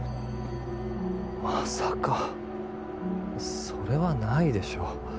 まさかそれはないでしょ